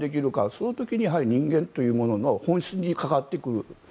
その時に人間というものの本質に関わってくる。